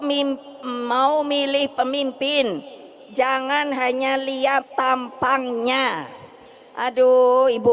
mimpi mau milih pemimpin jangan hanya lihat tampangnya aduh ibu